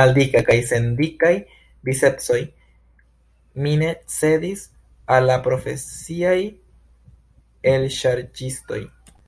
Maldika, kaj sen dikaj bicepsoj, mi ne cedis al la profesiaj elŝarĝistoj.